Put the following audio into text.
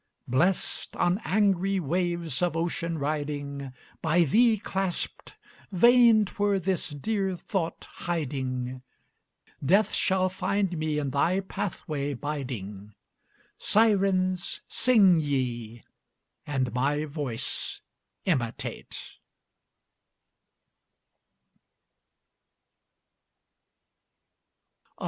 Blest, on angry waves of ocean riding, By thee clasped, vain 'twere this dear thought hiding: Death shall find me in thy pathway biding. Sirens, sing ye, and my voice imitate!